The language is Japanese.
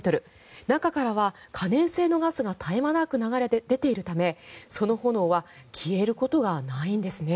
中からは可燃性のガスが絶え間なく流れ出ているためその炎は消えることがないんですね。